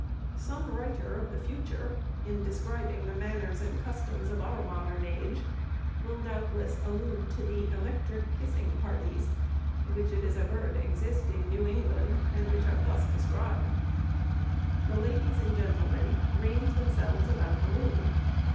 Some writer of the future, in describing the manners and customs of our modern age, will doubtless allude to the "electric kissing parties," which it is averred exist in New England, and which are thus described: "The ladies and gentlemen range themselves about the room.